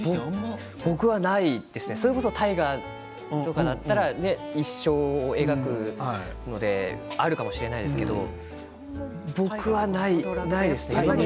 僕はないですし、それこそ大河とかだったら一生を描くのであるかもしれないですけど僕はないですね。